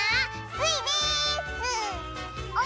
スイです！